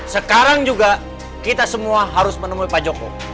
sekarang juga kita semua harus menemui pak jokowi